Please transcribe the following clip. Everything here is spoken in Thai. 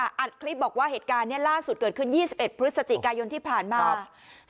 อัดคลิปบอกว่าเหตุการณ์เนี่ยล่าสุดเกิดขึ้นยี่สิบเอ็ดพฤศจิกายนที่ผ่านมาครับ